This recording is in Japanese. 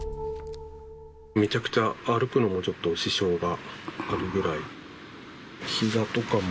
めちゃくちゃ、歩くのもちょっと、支障があるぐらい。